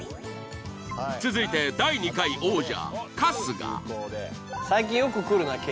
続いて第２回王者春日。